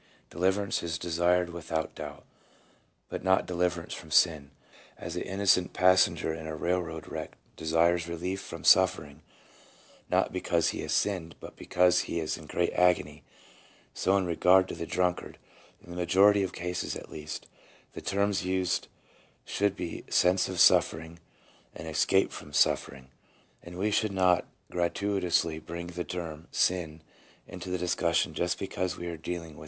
Deliverance is desired without doubt, but not deliverance from sin. As the innocent passenger in a railroad wreck desires relief from suffering, not because he has sinned, but because he is in great agony, so in regard to the drunkard, in the majority of cases at least, the terms used should be "sense of suffering/' and "escape from suffering," and we should not gratuitously bring the term " sin " into the discussion just because we are dealing with a religious subject. 1 J. H.